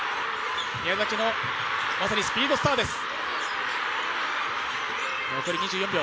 宮崎のまさにスピードスターです。